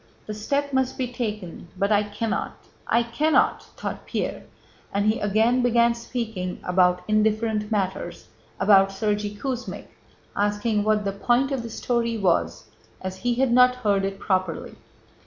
"The step must be taken but I cannot, I cannot!" thought Pierre, and he again began speaking about indifferent matters, about Sergéy Kuzmích, asking what the point of the story was as he had not heard it properly.